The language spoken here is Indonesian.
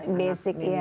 sangat basic ya